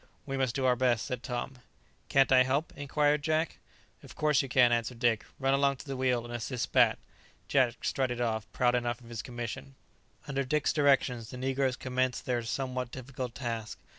"We must do our best," said Tom. "Can't I help?" inquired Jack. "Of course you can," answered Dick; "run along to the wheel, and assist Bat." Jack strutted off, proud enough of his commission. Under Dick's directions, the negroes commenced their somewhat difficult task.